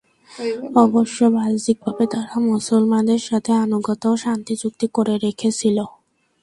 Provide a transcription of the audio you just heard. অবশ্য বাহ্যিকভাবে তারা মুসলমানদের সাথে আনুগত্য ও শান্তি চুক্তি করে রেখেছিল।